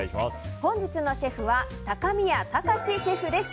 本日のシェフは高宮崇シェフです。